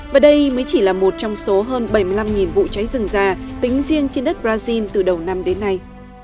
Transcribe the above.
và đây mới chỉ là một trong số hơn bảy mươi năm vụ cháy rừng ra tính riêng trên đất brazil từ đầu năm đến nay